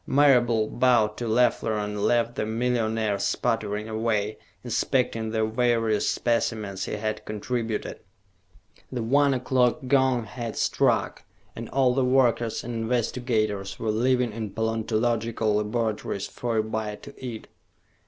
Marable bowed to Leffler and left the millionaire sputtering away, inspecting the various specimens he had contributed. The one o'clock gong had struck, and all the workers and investigators were leaving in paleontological laboratories for a bite to eat.